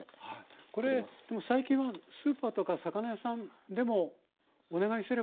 これ最近はスーパーとか魚屋さんでもお願いすれば。